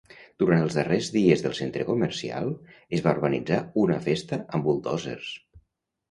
Durant els darrers dies del centre comercial, es va organitzar una festa amb buldòzers.